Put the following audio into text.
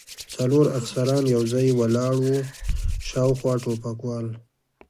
څلور افسران یو ځای ولاړ و، شاوخوا ټوپکوال.